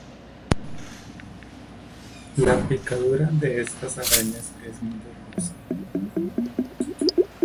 La picadura de estas arañas es muy dolorosa.